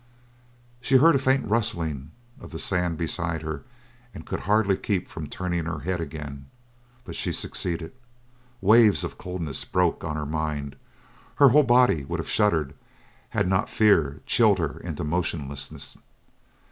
She heard a faint rustling of the sand beside her and could hardly keep from turning her head again. But she succeeded. Waves of coldness broke on her mind; her whole body would have shuddered had not fear chilled her into motionlessness.